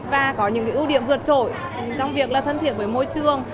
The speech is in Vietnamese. và có những ưu điểm vượt trội trong việc là thân thiện với môi trường